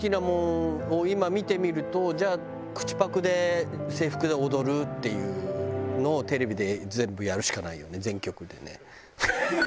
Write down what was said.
じゃあ口パクで制服で踊るっていうのをテレビで全部やるしかないよね全局でね。